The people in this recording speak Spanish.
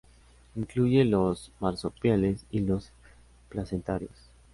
Incluye los marsupiales y los placentarios.